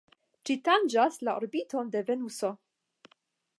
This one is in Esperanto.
Ĝi tanĝas la orbiton de Venuso.